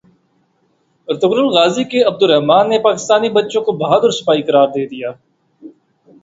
Ertugrul Ghazi کے Abdurrahman نے پاکستانی بچوں کو بہادر سپاہی قرار دے دیا